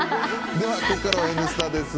ではここからは「Ｎスタ」です。